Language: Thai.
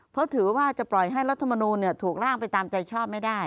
เพราะถือว่าจะปล่อยให้รัฐมนูลถูกร่างไปตามใจชอบไม่ได้